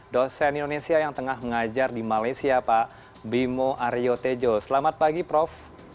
dosen indonesia yang tengah mengajar di malaysia pak bimo aryo tejo selamat pagi prof